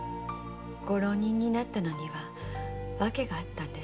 ご浪人になったのには訳があったんです。